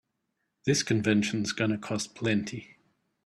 This convention's gonna cost plenty.